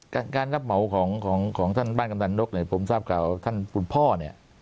การการรับเหมาของของท่านบ้านกำดันนกเนี่ยผมทราบข่าวท่านคุณพ่อเนี่ย